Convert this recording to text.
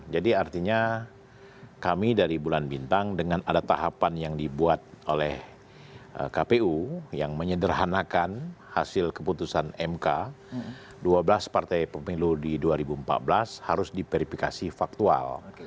jadi artinya kami dari bulan bintang dengan ada tahapan yang dibuat oleh kpu yang menyederhanakan hasil keputusan mk dua belas partai pemilu di dua ribu empat belas harus diverifikasi faktual